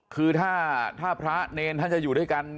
คือถ้าพระเนรท่านจะอยู่ด้วยกัน